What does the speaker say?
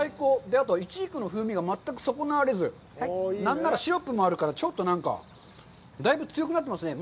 あといちじくの風味が全く損なわれず、なんならシロップもあるから、ちょっと、なんか、だいぶ強くなってますね。